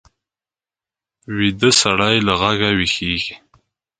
ویده سړی له غږه ویښېږي